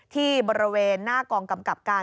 ที่บริเวณหน้ากองกำกับการ